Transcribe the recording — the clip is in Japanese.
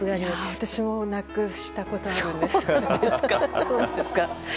私もなくしたことあるんです。